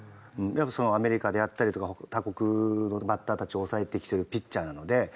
アメリカであったりとか他国のバッターたちを抑えてきているピッチャーなので。